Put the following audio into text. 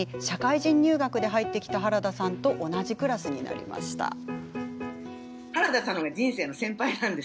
社会人入学で入ってきた原田さんと同じクラスになりました。